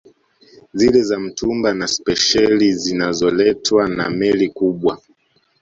Zile za mtumba na spesheli zinazoletwa na Meli kubwa